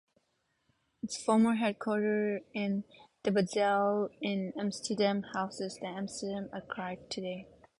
Its former headquarters in De Bazel in Amsterdam houses the Amsterdam Archives today.